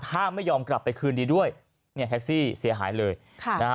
ถ้าไม่ยอมกลับไปคืนดีด้วยเนี่ยแท็กซี่เสียหายเลยค่ะนะฮะ